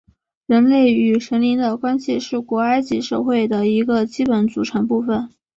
人类与神灵的关系是古埃及社会的一个基本组成部分。